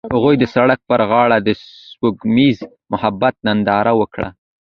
هغوی د سړک پر غاړه د سپوږمیز محبت ننداره وکړه.